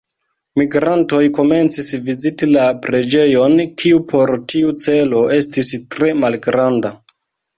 Migrantoj komencis viziti la preĝejon, kiu por tiu celo estis tre malgranda.